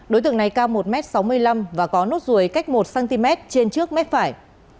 đối tượng này cao một m sáu mươi năm và có nốt ruồi cách một cm trên trước mép phải